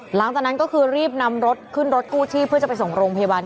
หลังจากนั้นก็คือรีบนำรถขึ้นรถกู้ชีพเพื่อจะไปส่งโรงพยาบาล